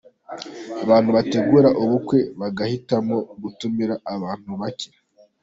abantu bategura ubukwe bagahitamo gutumira abantu bake.